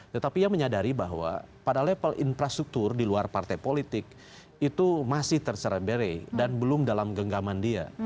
tetapi ia menyadari bahwa pada level infrastruktur di luar partai politik itu masih terserebere dan belum dalam genggaman dia